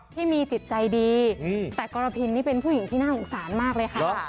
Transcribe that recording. ที่มีจิตใจดีแต่กรพินนี่เป็นผู้หญิงที่น่าสงสารมากเลยค่ะ